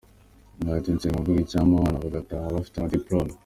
Yagize ati “Nsenga mvuga nti icyampa aba bana bagataha bafite amadipolome.